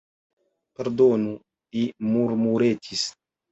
Pardonu, li murmuretis.